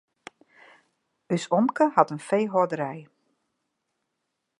Us omke hat in feehâlderij.